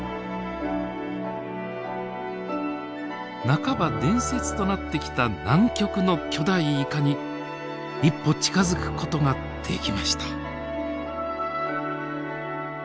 半ば伝説となってきた南極の巨大イカに一歩近づく事ができました。